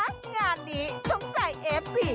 งานนี้สงสัยเอฟสี่